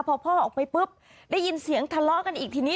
พอพ่อออกไปปุ๊บได้ยินเสียงทะเลาะกันอีกทีนี้